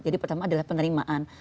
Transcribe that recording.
jadi pertama adalah penerimaan